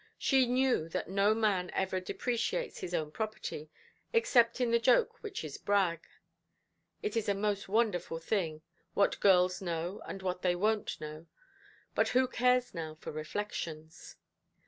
She knew that no man ever depreciates his own property, except in the joke which is brag. It is a most wonderful thing, what girls know and what they wonʼt know. But who cares now for reflections?